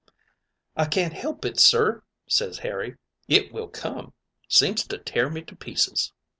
"'I can't help it, sir,' ses Harry, 'it will come. Seems to tear me to pieces.'